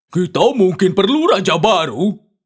kita mungkin perlu raja baru